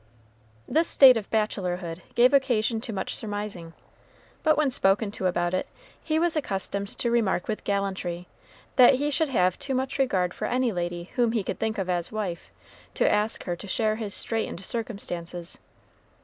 This state of bachelorhood gave occasion to much surmising; but when spoken to about it, he was accustomed to remark with gallantry, that he should have too much regard for any lady whom he could think of as a wife, to ask her to share his straitened circumstances.